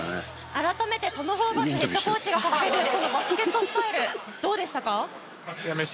改めてトム・ホーバスヘッドコーチが掲げるこのバスケットスタイルどうでしたか？